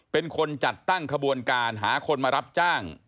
เป็นคนจัดตั้งขบวนการหาคนมารับจ้าง